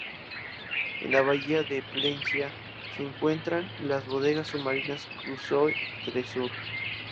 En la bahía de Plencia se encuentran las bodegas submarinas Crusoe Treasure.